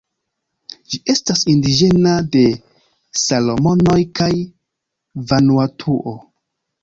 Ĝi estas indiĝena de Salomonoj kaj Vanuatuo.